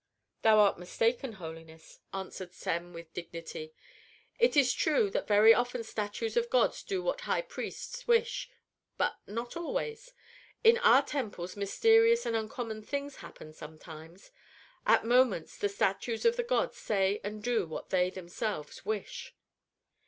"Thou art mistaken, holiness," answered Sem with dignity. "It is true that very often statues of gods do what high priests wish, but not always. In our temples mysterious and uncommon things happen sometimes. At moments the statues of the gods say and do what they themselves wish."